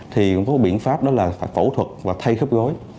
thì cũng có một biện pháp đó là phải phẫu thuật và thay khớp gối